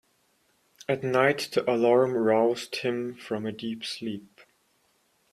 At night the alarm roused him from a deep sleep.